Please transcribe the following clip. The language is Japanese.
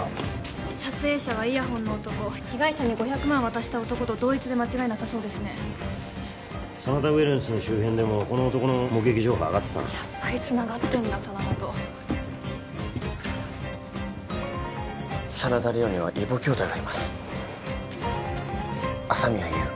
撮影者はイヤホンの男被害者に５００万渡した男と同一で間違いなさそうですね真田ウェルネスの周辺でもこの男の目撃情報あがってたなやっぱりつながってんだ真田と真田梨央には異母きょうだいがいます朝宮優